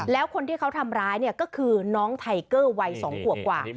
แล้วคนที่เขาทำร้ายเนี่ยก็คือน้องไทเกอร์วัย๒ขวบกว่า